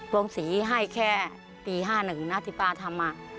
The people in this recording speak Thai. โรงศรีให้แค่ปี๕๑นะที่ป้าทำ